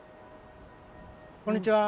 こんにちは。